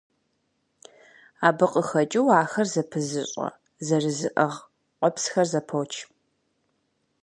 Абы къыхэкӀыу, ахэр зэпызыщӀэ, зэрызэрыӀыгъ къуэпсхэр зэпоч.